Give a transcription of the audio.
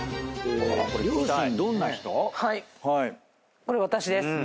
これ私です。